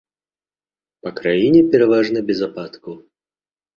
Па краіне пераважна без ападкаў.